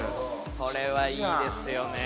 これはいいですよね。